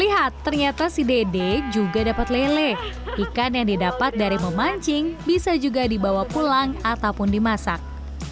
lihat ternyata si dede juga dapat lele ikan yang didapat dari memancing bisa juga dibawa pulang ataupun dimasak